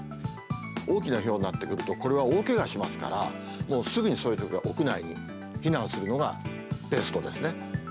大きなひょうになってくると、これは大けがしますから、もうすぐにそういうときは屋内に避難するのがベストですね。